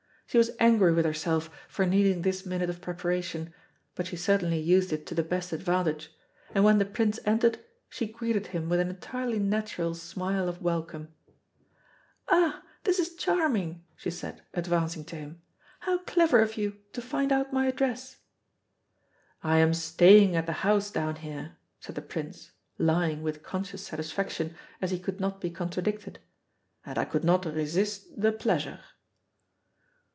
She was angry with herself for needing this minute of preparation, but she certainly used it to the best advantage; and when the Prince entered she greeted him with an entirely natural smile of welcome. "Ah, this is charming," she said, advancing to him. "How clever of you to find out my address." "I am staying at a house down here," said the Prince, lying with conscious satisfaction as he could not be contradicted, "and I could not resist the pleasure."